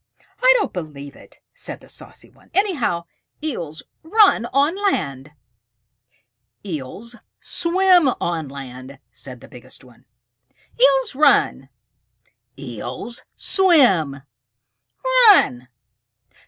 "I don't believe it," said the saucy one. "Anyhow, Eels run on land." "Eels swim on land," said the biggest one. "Eels run!" "Eels swim!" "Run!"